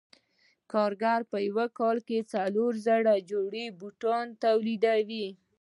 کارګران په یو کال کې څلور زره جوړې بوټان تولیدوي